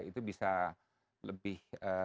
itu bisa lebih